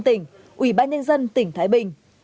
tỉnh ủy ban nhân dân tỉnh thái bình